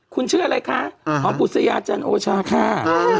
คุณชื่ออะไรคะหอมปุศยาจันโอชาค่ะ